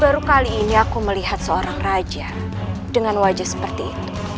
baru kali ini aku melihat seorang raja dengan wajah seperti itu